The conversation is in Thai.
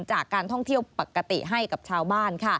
จากการท่องเที่ยวปกติให้กับชาวบ้าน